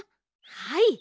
はい。